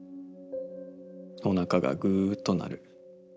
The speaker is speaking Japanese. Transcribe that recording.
おなかがぐうと鳴る。